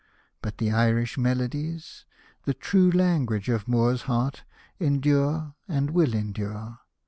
But the Irish Melodies^ the true language of Moore's heart, endure and will endure.